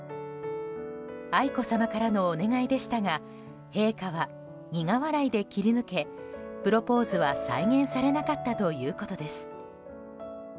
愛子さまからのお願いでしたが陛下は苦笑いで切り抜けプロポーズは再現されなかったということです。